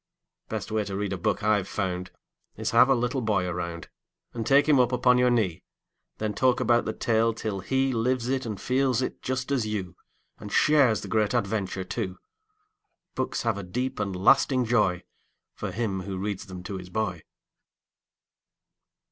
Best way to read a book I've found Is have a little boy around And take him up upon your knee; Then talk about the tale, till he Lives it and feels it, just as you, And shares the great adventure, too. Books have a deep and lasting joy For him who reads them to his boy.